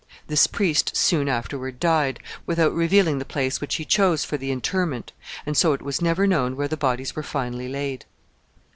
This priest soon afterward died, without revealing the place which he chose for the interment, and so it was never known where the bodies were finally laid.